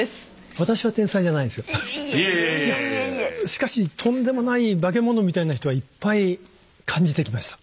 しかしとんでもない化け物みたいな人はいっぱい感じてきました。